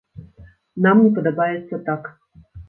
Нам не падабаецца так.